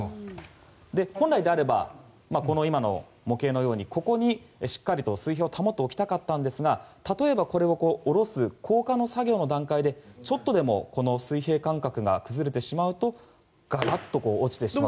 本来であれば模型のようにここで水平を保っておきたかったんですが例えばこれを下ろす降下の作業の段階でちょっとでも水平感覚が崩れてしまうとガラッと落ちてしまうと。